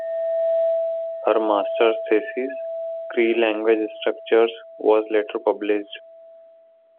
Her Master's thesis, "Cree Language Structures", was later published.